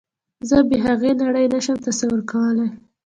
زه بې هغې نړۍ نشم تصور کولی